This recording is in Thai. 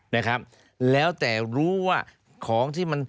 นะครับแล้วแต่รู้ว่า